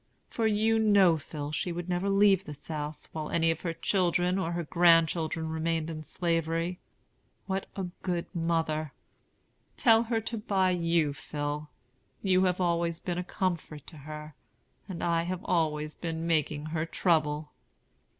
For you know, Phil, she would never leave the South while any of her children or grandchildren remained in Slavery. What a good mother! Tell her to buy you, Phil. You have always been a comfort to her; and I have always been making her trouble."